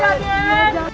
ampun raden jangan raden